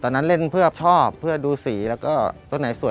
เล่นเพื่อชอบเพื่อดูสีแล้วก็ต้นไหนสวย